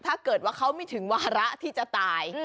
ถ้าเกิดว่าเขาไม่ถึงวาระที่จะตาย